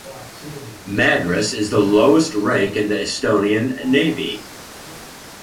Madrus is the lowest rank in the Estonian Navy.